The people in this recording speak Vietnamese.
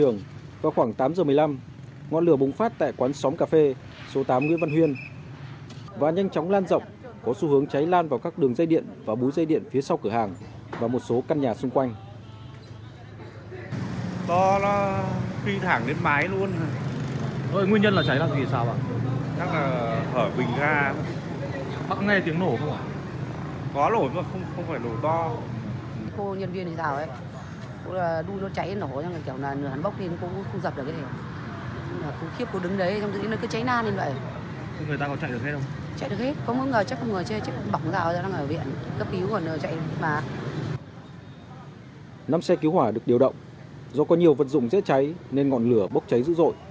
năm xe cứu hỏa được điều động do có nhiều vật dụng dễ cháy nên ngọn lửa bốc cháy dữ dội